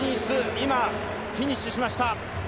今、フィニッシュしました。